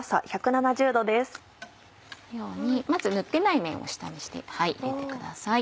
このようにまず塗ってない面を下にして入れてください。